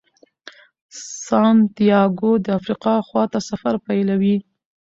سانتیاګو د افریقا خواته سفر پیلوي.